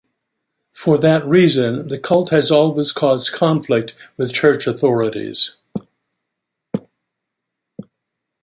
For that reason the cult has always caused conflict with church authorities.